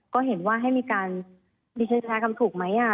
ก็เห็นว่าให้มีการดิฉันแพ้คำถูกไหม